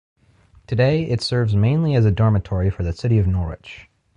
Today, it serves mainly as a dormitory for the city of Norwich.